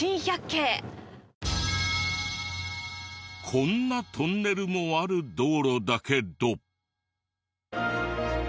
こんなトンネルもある道路だけど。